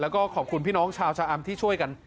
แล้วก็ขอบคุณพี่น้องชาวชะอำที่ช่วยกัน